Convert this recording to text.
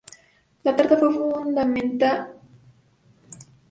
La tarta se fundamenta en las antiguas recetas medievales.